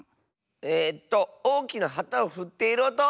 えっとおおきなはたをふっているおと！